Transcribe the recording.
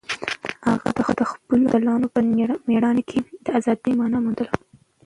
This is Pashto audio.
هغه د خپلو اتلانو په مېړانه کې د ازادۍ مانا موندله.